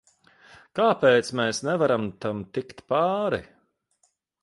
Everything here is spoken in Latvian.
Kāpēc mēs nevaram tam tikt pāri?